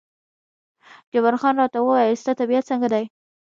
جبار خان راته وویل ستا طبیعت څنګه دی؟